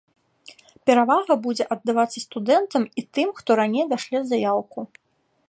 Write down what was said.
Перавага будзе аддавацца студэнтам і тым, хто раней дашле заяўку.